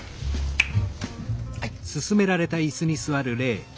はい。